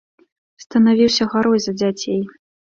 Станавіўся гарой за дзяцей.